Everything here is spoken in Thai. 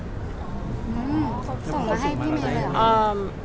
โหส่งมาให้พี่เหมย์แล้ว